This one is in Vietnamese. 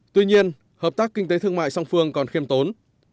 tuy nhiên hợp tác kinh tế thương mại song phương còn khiêm tốn